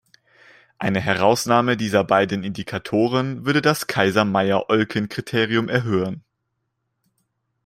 Eine Herausnahme dieser beiden Indikatoren würde das Kaiser-Meyer-Olkin-Kriterium erhöhen.